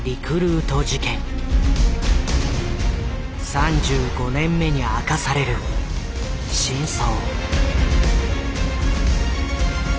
３５年目に明かされる真相。